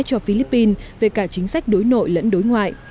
cho philippines về cả chính sách đối nội lẫn đối ngoại